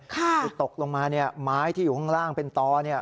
คือตกลงมาเนี่ยไม้ที่อยู่ข้างล่างเป็นตอเนี่ย